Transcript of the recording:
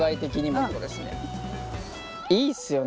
いいっすよね。